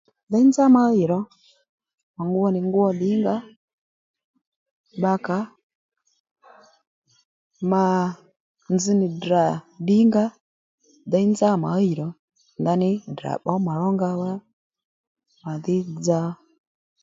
děy nzá ma ɦiy ro ma ngwo nì ngwo ddìnga ó bbakà ó mà nzz nì Ddrà ddinga ó děy nzá mà hiy ro ndaní Ddrà bbǒ mà ronga wá màdhí dza ó